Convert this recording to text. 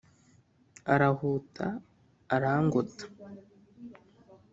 Arahuta arangota